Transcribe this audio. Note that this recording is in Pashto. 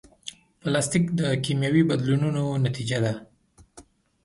پلاستيک د کیمیاوي بدلونونو نتیجه ده.